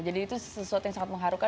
jadi itu sesuatu yang sangat mengharukan